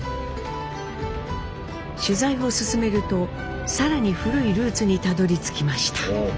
取材を進めると更に古いルーツにたどりつきました。